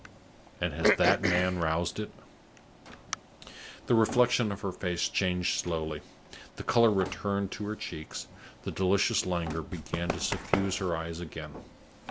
And has that man roused it?" The reflection of her face changed slowly. The color returned to her cheeks, the delicious languor began to suffuse her eyes again.